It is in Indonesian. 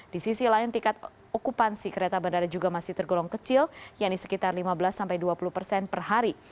di sisi lain tingkat okupansi kereta bandara juga masih tergolong kecil yaitu sekitar lima belas sampai dua puluh persen per hari